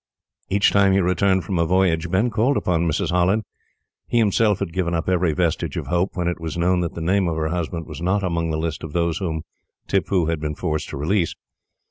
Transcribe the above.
Each time he returned from a voyage, Ben called upon Mrs. Holland. He himself had given up every vestige of hope, when it was known that the name of her husband was not among the list of those whom Tippoo had been forced to release.